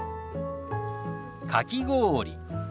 かき氷。